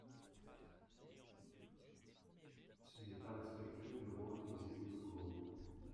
Ce n’est pas respectueux du rôle des élus locaux.